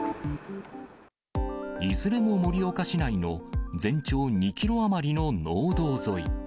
いずれも盛岡市内の全長２キロ余りの農道沿い。